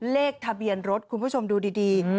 เลขทะเบียนรถคุณผู้ชมดูดี